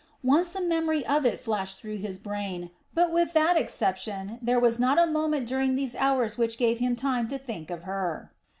Once the memory of it flashed through his brain, but with that exception there was not a moment during these hours which gave him time to think of her.